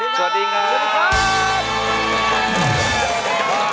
สวัสดีค่ะ